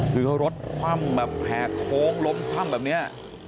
คือเขารดความแผ่โค้งล้มข้ำแบบนี้